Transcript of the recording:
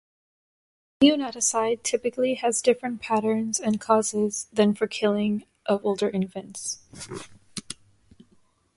Neonaticide typically has different patterns and causes than for killing of older infants.